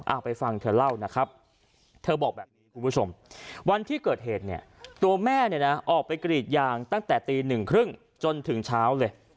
ไปฟังเธอเล่านะครับเธอบอกแบบนี้คุณผู้ชมวันที่เกิดเหตุเนี่ยตัวแม่เนี่ยนะออกไปกรีดยางตั้งแต่ตีหนึ่งครึ่งจนถึงเช้าเลย